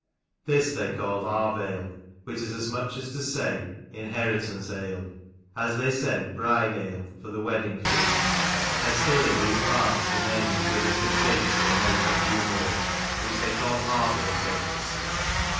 This they called Arv ale, which is as much as to say Inheritance ale : as they said Bride ale for the wedding feast. And still in these parts the name is given to cakes they make at funerals, which they call Arval cakes.